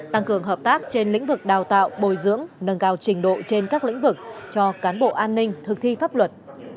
tăng cường hợp tác trên lĩnh vực đào tạo bồi dưỡng nâng cao trình độ trên các lĩnh vực cho cán bộ an ninh thực thi pháp luật